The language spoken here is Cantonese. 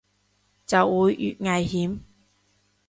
就會越危險